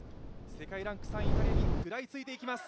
世界ランク３位、イタリアに食らいついていきます。